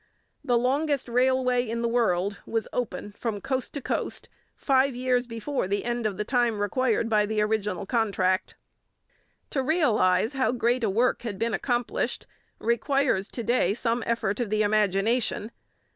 The longest railway in the world was open from coast to coast, five years before the end of the time required by the original contract. To realize how great a work had been accomplished requires to day some effort of the imagination.